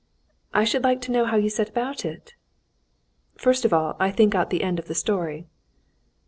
"I should like to know how you set about it?" "First of all I think out the end of the story."